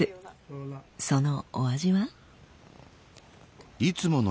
そのお味は？